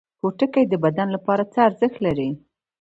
پوټکی د بدن لپاره څه ارزښت لري؟